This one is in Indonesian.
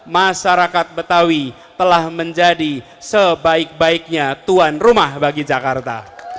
masyarakat betawi telah menjadi sebaik baiknya tuan rumah bagi jakarta